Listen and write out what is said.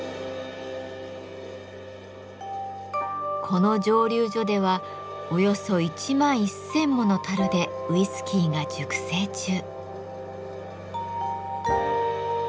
この蒸留所ではおよそ１万１，０００もの樽でウイスキーが熟成中。